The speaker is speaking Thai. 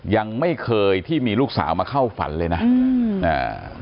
ยังไม่เคยที่มีลูกสาวมาเข้าฝันเลยนะอืมอ่า